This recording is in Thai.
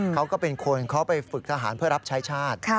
เขาก็เป็นคนเขาไปฝึกทหารเพื่อรับใช้ชาติ